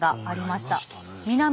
ありましたね。